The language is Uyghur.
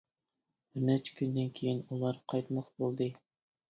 بىر نەچچە كۈندىن كىيىن ئۇلار قايتماق بولدى.